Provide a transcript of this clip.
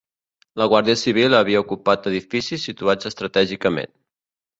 La Guàrdia Civil havia ocupat edificis situats estratègicament